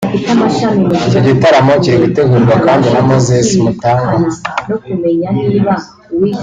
Iki gitaramo kiri gutegurwa kandi na Moses Mutagwa